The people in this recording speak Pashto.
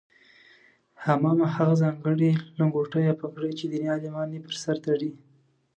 عمامه هغه ځانګړې لنګوټه یا پګړۍ چې دیني عالمان یې پر سر تړي.